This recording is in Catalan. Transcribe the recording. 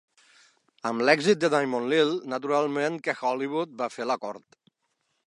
Amb l'èxit de "Diamond Lil", naturalment que Hollywood va fer la cort.